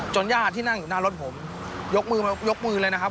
ญาติที่นั่งอยู่หน้ารถผมยกมือยกมือเลยนะครับ